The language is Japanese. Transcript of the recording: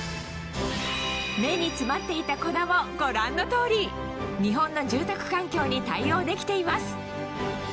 目に詰まっていた粉もご覧の通り日本の住宅環境に対応できています